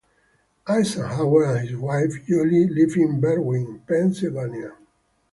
Eisenhower and his wife Julie live in Berwyn, Pennsylvania.